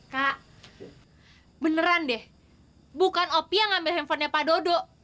kak beneran deh bukan opi yang ambil handphonenya pak dodo